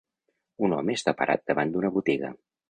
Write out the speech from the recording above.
Un home està parat davant d'una botiga.